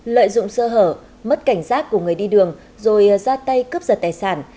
lợi dụng sơ hở mất cảnh giác của người đi đường rồi ra tay cướp giật tài sản